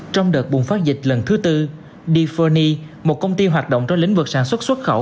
trong đợt bùng phát dịch lần thứ tư diforny một công ty hoạt động trong lĩnh vực sản xuất xuất khẩu